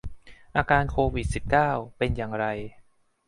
อาการโควิด สิบเก้า เป็นอย่างไร